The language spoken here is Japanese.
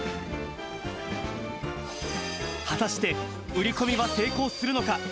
果たして売り込みは成功するのか。